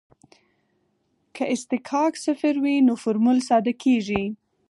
که اصطکاک صفر وي نو فورمول ساده کیږي